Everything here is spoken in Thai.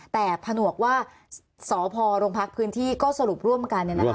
แต่ผนวกว่าสพโรงพักพื้นที่ก็สรุปร่วมกัน